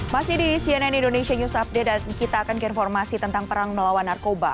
masih di cnn indonesia news update dan kita akan ke informasi tentang perang melawan narkoba